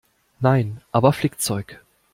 Nein, aber Flickzeug.